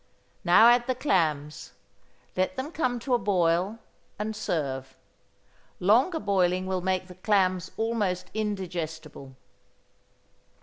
Now add the clams. Let them come to a boil, and serve. Longer boiling will make the clams almost indigestible.